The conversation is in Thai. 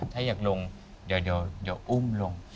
ถ้าอยากลงเดี๋ยวอุ้มลง